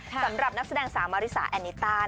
สำหรับนักแสดงสาวมาริสาแอนิต้า